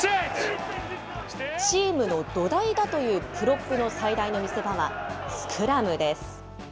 チームの土台だというプロップの最大の見せ場はスクラムです。